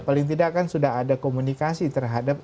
paling tidak kan sudah ada komunikasi terhadap